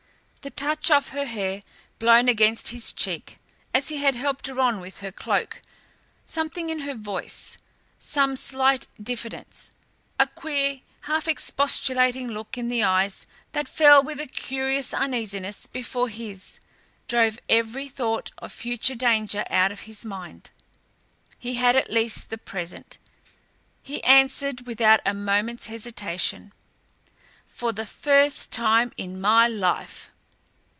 The touch of her hair blown against his cheek, as he had helped her on with her cloak, something in her voice, some slight diffidence, a queer, half expostulating look in the eyes that fell with a curious uneasiness before his, drove every thought of future danger out of his mind. He had at least the present! He answered without a moment's hesitation. "For the first time in my life!"